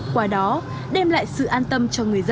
qua đó đem lại sự an tâm